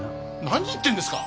何言ってるんですか！